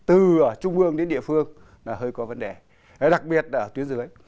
thu nhi từ trung ương đến địa phương là hơi có vấn đề đặc biệt là ở tuyến dưới